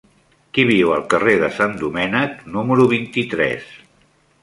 Qui viu al carrer de Sant Domènec número vint-i-tres?